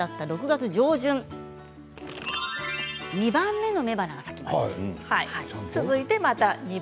６月上旬２番目の雌花が咲きます。